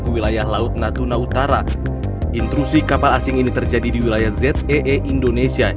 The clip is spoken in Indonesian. ke wilayah laut natuna utara intrusi kapal asing ini terjadi di wilayah zee indonesia